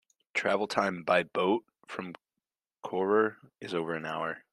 Travel time by boat from Koror is over an hour.